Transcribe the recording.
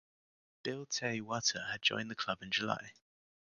Bill Te Whata had joined the club in July.